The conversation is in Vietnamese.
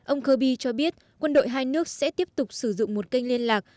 ông kirby cho biết quân đội hai nước sẽ tiếp tục sử dụng một kênh liên lạc